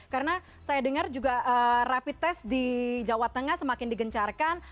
karena saya dengar juga rapid test di jawa tengah semakin digencarkan